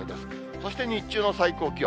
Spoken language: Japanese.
そして日中の最高気温。